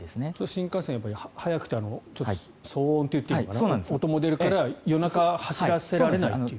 新幹線は速くて騒音といっていいのかな音も出るから夜中、走らせられないという。